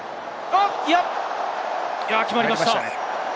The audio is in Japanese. いや、決まりました。